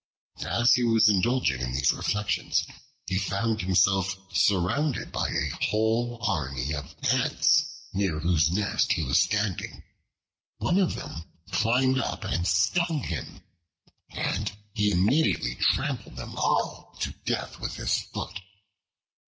As he was indulging in these reflections, he found himself surrounded by a whole army of Ants, near whose nest he was standing. One of them climbed up and stung him, and he immediately trampled them all to death with his foot.